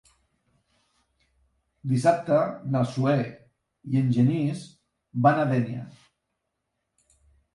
Dissabte na Zoè i en Genís van a Dénia.